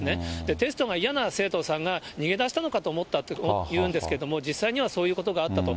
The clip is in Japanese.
テストが嫌な生徒さんが逃げ出したのかと思ったというんですけれども、実際にはそういうことがあったと。